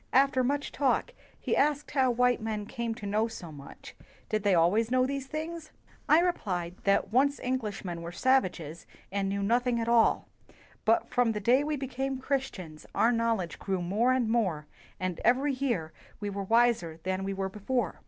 " "After much talk, he asked how white men came to know so much — did they al ways know these things ? I replied that once Englishmen were savages and knew nothing at all, but from the day we became Chris tians our knowledge grew more and more, and every year we were wiser than we were before."